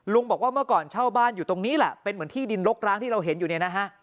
บอกว่าเมื่อก่อนเช่าบ้านอยู่ตรงนี้แหละเป็นเหมือนที่ดินรกร้างที่เราเห็นอยู่เนี่ยนะฮะ